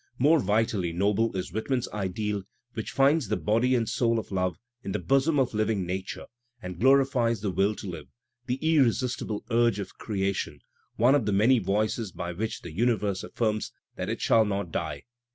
More vitally noble is Whitman's ideal which finds the body! and soul of love in the bosom of living nature and glorifies I the will to live, the irresistible urge of creation, one of \ the many voices by which the universe aflSrms that I it shall not die.